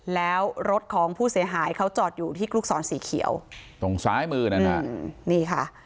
แล้วรถของผู้เสียหายเขาจอดอยู่ที่ลูกศรสีเขียวตรงซ้ายมือนะฮะนี่ค่ะ